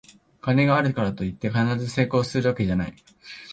金があるからといって必ず成功するわけじゃない